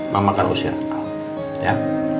makan usir ya